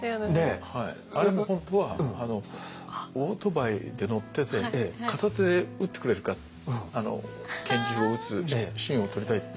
あれも本当はオートバイで乗ってて片手で撃ってくれるか拳銃を撃つシーンを撮りたいって。